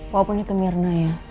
walaupun itu mirna ya